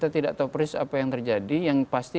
tidak tahu persis apa yang terjadi yang pasti